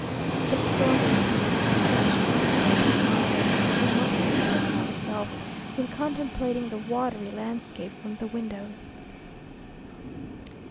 The storm continues with such unabated violence, that we must content ourselves with contemplating the watery landscape from the windows.